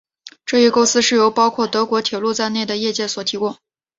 这一构思是由包括德国铁路在内的业界所提供。